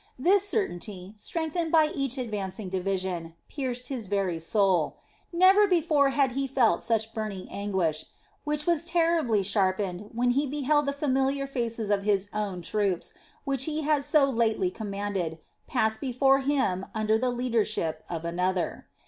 This certainty, strengthened by each advancing division, pierced his very soul. Never before had he felt such burning anguish, which was terribly sharpened when he beheld the familiar faces of his own troops, which he had so lately commanded, pass before him under the leadership of another.